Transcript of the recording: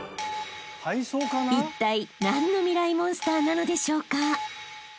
［いったい何のミライ☆モンスターなのでしょうか？］